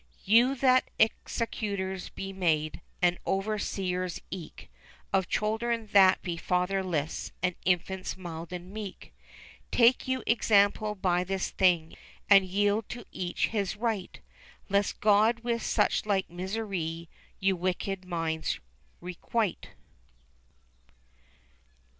You that executors be made. And overseers eke, Of children that be fatherless. And infants mild and meek, Take you example by this thing, And yield to each his right. Lest God with suchlike misery Your wicked minds requite.